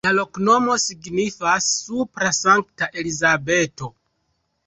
La loknomo signifas: supra-Sankta-Elizabeto.